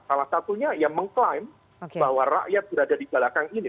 salah satunya yang mengklaim bahwa rakyat berada di belakang ini